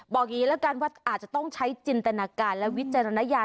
อย่างนี้แล้วกันว่าอาจจะต้องใช้จินตนาการและวิจารณญาณ